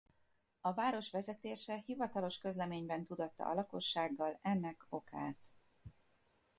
A város vezetése hivatalos közleményben tudatta a lakossággal ennek okát.